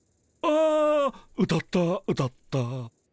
ああ歌った歌った。